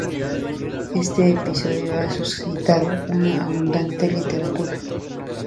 Este episodio ha suscitado una abundante literatura.